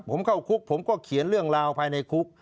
ผมเข้าคุกผมก็เขียนเรื่องราวภายในคุก